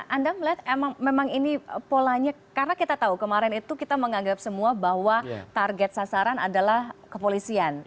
anda melihat memang ini polanya karena kita tahu kemarin itu kita menganggap semua bahwa target sasaran adalah kepolisian